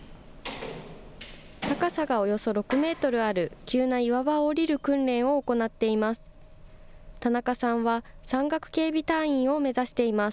高さがおよそ６メートルある急な岩場を降りる訓練を行っています。